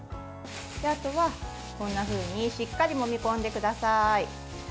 あとは、こんなふうにしっかりもみ込んでください。